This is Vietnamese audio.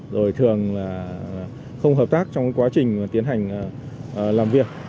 rồi thường là không hợp tác trong quá trình tiến hành làm việc